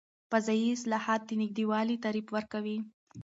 فضايي اصطلاحات د نږدې والي تعریف ورکوي.